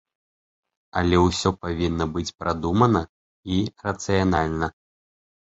Але ўсё павінна быць прадумана і рацыянальна.